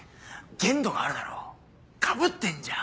限度があるだろかぶってんじゃん。